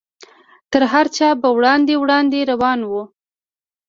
تر هر چا به وړاندې وړاندې روان و.